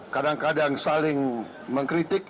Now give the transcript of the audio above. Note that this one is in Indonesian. kadang kadang saling mengkritik